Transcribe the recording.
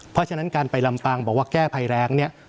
เพราะฉะนั้นการไปลำปางบอกว่าแก้ภัยแรงเนี่ย